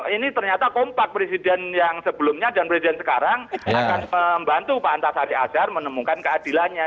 ini ternyata kompak presiden yang sebelumnya dan presiden sekarang akan membantu pak antasari azhar menemukan keadilannya